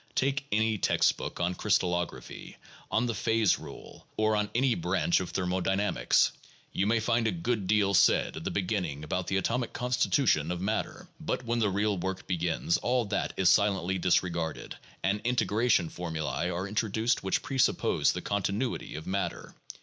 Take any text book on crystallography, on the phase rule, or on any branch of thermodynamics. Tou may find a good deal said at the beginning about the atomic constitution of matter; but when the real work begins all that is silently disregarded, and integration formulae are introduced which presuppose the continuity of matter.